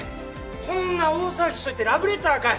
こんな大騒ぎしといてラブレターかよ！？